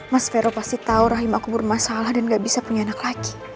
mas vero pasti tahu rahim aku bermasalah dan gak bisa punya anak laki